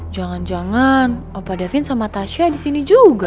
jangan jangan opa davin sama tasya disini juga